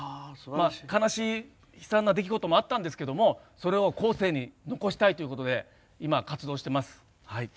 悲しい、悲惨な出来事もあったんですけれどもそれを後世に残したいということで今、活動しています。